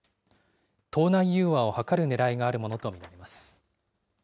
党内融和を図るねらいがあるものと見られます。